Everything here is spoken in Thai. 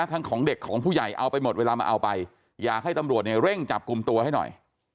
ของเด็กของผู้ใหญ่เอาไปหมดเวลามาเอาไปอยากให้ตำรวจเนี่ยเร่งจับกลุ่มตัวให้หน่อย